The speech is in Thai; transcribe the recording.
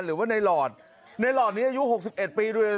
หรือว่าในหลอดในหลอดนี้อายุ๖๑ปีด้วย